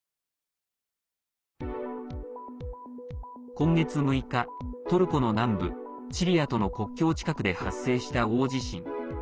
今月６日トルコの南部シリアとの国境近くで発生した大地震。